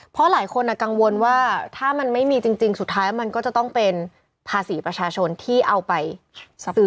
เพราะหลายคนกังวลว่าถ้ามันไม่มีจริงสุดท้ายมันก็จะต้องเป็นภาษีประชาชนที่เอาไปซื้อ